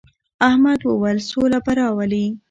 احمد وويل: سوله به راولې.